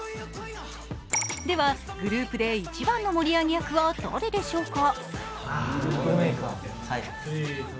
ではグループで一番の盛り上げ役は誰でしょうか？